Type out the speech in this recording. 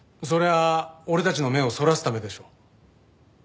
そりゃあ俺たちの目をそらすためでしょ。